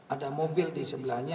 ada mobil di sebelahnya